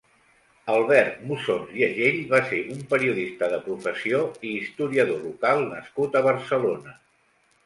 Albert Musons i Agell va ser un periodista de professió i historiador local nascut a Barcelona.